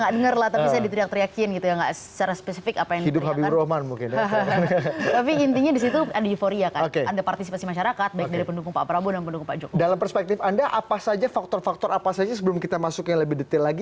tapi saya dalam perspektif anda apa saja faktor faktor apa saja sebelum kita masuk yang lebih detail lagi